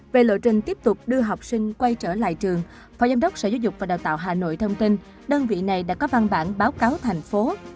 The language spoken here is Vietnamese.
về lộ trình tiếp tục đưa học sinh quay trở lại trường phó giám đốc sở giáo dục và đào tạo hà nội thông tin đơn vị này đã có văn bản báo cáo thành phố